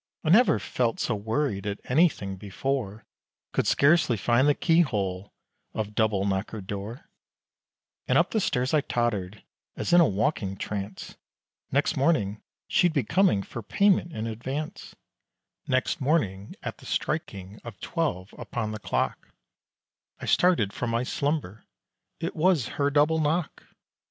I never felt so worried at anything before! Could scarcely find the keyhole of double knockered door, And up the stairs I tottered, as in a walking trance, Next morning, she'd be coming for payment in advance, Next morning, at the striking of twelve upon the clock, I started from my slumber, it was her double knock!